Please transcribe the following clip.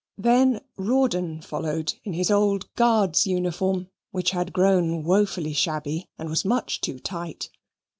Then Rawdon followed in his old Guards' uniform, which had grown woefully shabby, and was much too tight.